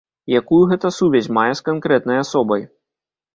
Якую гэта сувязь мае з канкрэтнай асобай?